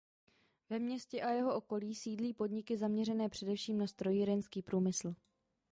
Ve městě a jeho okolí sídlí podniky zaměřené především na strojírenský průmysl.